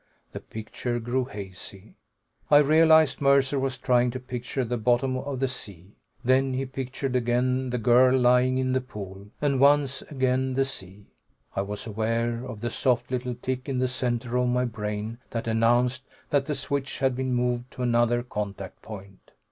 The picture grew hazy; I realized Mercer was trying to picture the bottom of the sea. Then he pictured again the girl lying in the pool, and once again the sea. I was aware of the soft little tick in the center of my brain that announced that the switch had been moved to another contact point.